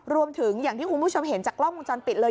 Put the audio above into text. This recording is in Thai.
รวมถึงอย่างที่คุณผู้ชมเห็นจากกล้องวงจรปิดเลย